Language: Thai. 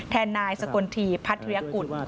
แทนนายสกลทีพัฒน์เรียกกุ่น